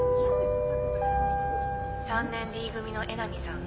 ３年Ｄ組の江波さん